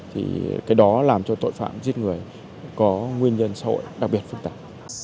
thì cái đó làm cho tội phạm giết người có nguyên nhân xã hội đặc biệt phức tạp